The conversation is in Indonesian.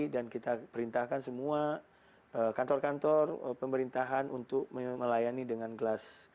dan kita perintahkan semua kantor kantor pemerintahan untuk melayani dengan gelas